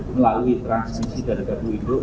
melalui transisi dari gardu induk